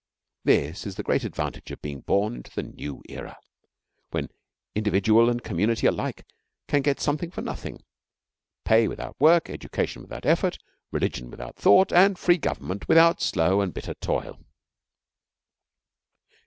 This is the great advantage of being born into the New Era, when individual and community alike can get something for nothing pay without work, education without effort, religion without thought, and free government without slow and bitter toil.